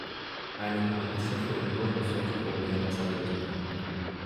Eine humanistische Union muss solche Probleme besser lösen können.